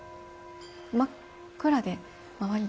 真っ暗で周り